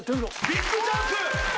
ビッグチャンス！